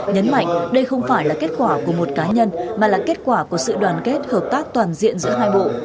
nhấn mạnh đây không phải là kết quả của một cá nhân mà là kết quả của sự đoàn kết hợp tác toàn diện giữa hai bộ